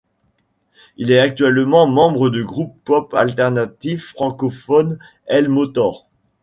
Il est actuellement membre du groupe pop alternatif francophone El Motor.